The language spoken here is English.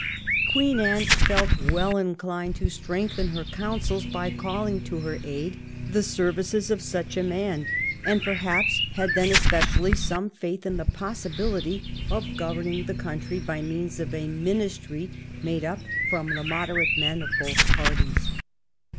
Queen Anne felt well inclined to strengthen her councils by calling to her aid the services of such a man, and perhaps had then especially some faitU in the possibility of governing the country by means of a ministry made up from the moderate men of both parties.